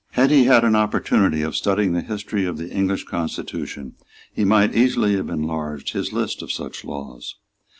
Had he had an opportunity of studying the history of the English constitution, he might easily have enlarged his list of such laws.